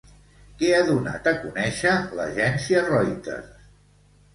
Què ha donat a conèixer l'agència Reuters?